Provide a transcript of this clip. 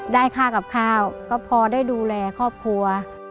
ได้ค่ากับข้าวก็พอได้ดูแลครอบครัว